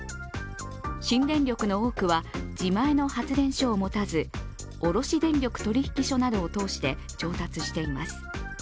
新電力の多くは自前の発電所を持たず卸電力取引所などを通して調達しています。